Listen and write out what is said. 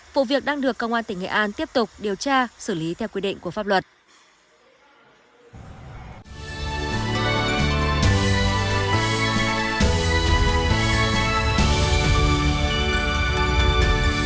vụ việc đang được công an tỉnh nghệ an tiếp tục điều tra xử lý theo quy định của pháp luật